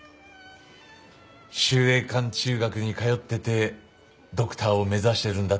秀英館中学に通っててドクターを目指してるんだって？